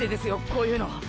こういうの！！